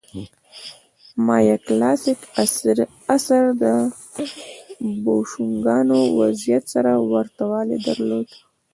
د مایا کلاسیک عصر د بوشونګانو وضعیت سره ورته والی درلود